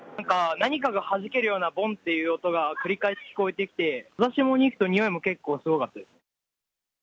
何かがはじけるようなぼんという音が繰り返し聞こえてきて、風下に行くとにおいも結構すごかったです。